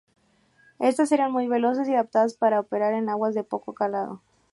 Estas eran muy veloces y adaptadas para operar en aguas de poco calado.